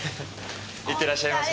行ってらっしゃいませ。